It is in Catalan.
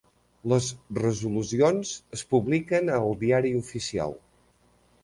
Les resolucions es publiquen al diari oficial.